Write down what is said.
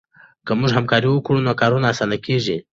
که موږ همکاري وکړو نو کارونه اسانه کېږي.